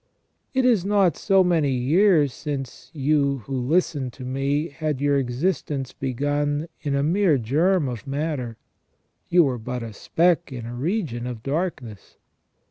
It is not so many years since you who listen to me had your existence begun in a mere germ of matter, you were but a speck in a region of darkness.